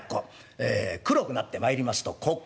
ええ黒くなってまいりますと黒狐。